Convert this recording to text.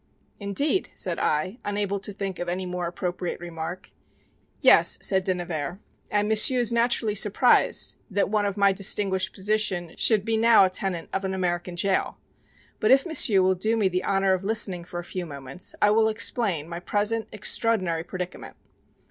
"Indeed!" said I, unable to think of any more appropriate remark. "Yes," said De Nevers, "and M'sieu' is naturally surprised that one of my distinguished position should be now a tenant of an American jail. But if M'sieu' will do me the honor of listening for a few moments I will explain my present extraordinary predicament.